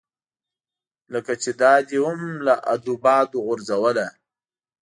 لکه چې دا دې هم له ادو باده غورځوله.